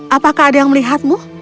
apakah ada yang melihatmu